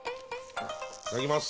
いただきます。